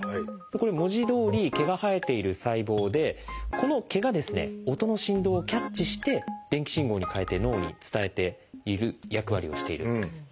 これ文字どおり毛が生えている細胞でこの毛が音の振動をキャッチして電気信号に変えて脳に伝えている役割をしているんです。